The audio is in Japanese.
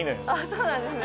そうなんですね。